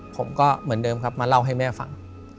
ผมก็เหมือนเดิมครับมาเล่าให้แม่ฟัง